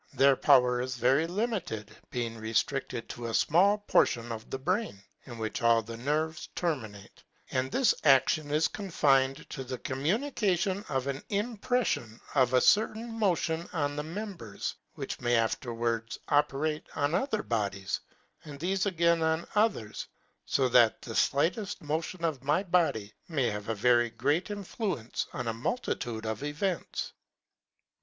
Their power is very li mited, being reftricled to a fmall portion of the brain, in which all the nerves terminate : and this action is confined to the communication of an impreflion of a certain motion on the members, which may after wards operate on other bodies, and thefe again on others, fo that the flighteft motion of my body may have a very great influence on a multitude of events.